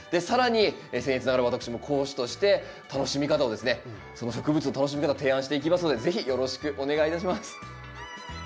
更にせん越ながら私も講師として楽しみ方をですねその植物の楽しみ方提案していきますので是非よろしくお願いいたします。